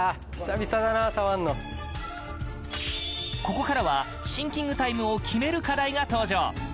ここからはシンキングタイムを決める課題が登場！